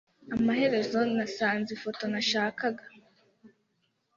Amaherezo nasanze ifoto nashakaga.